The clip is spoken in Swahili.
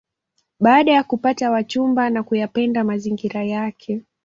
Baada ya kupata wachumba na kuyapenda mazingira yake